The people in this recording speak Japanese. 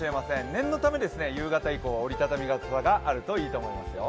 念のため夕方以降は折り畳み傘があるといいと思いますよ。